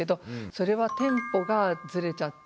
それはテンポがずれちゃった。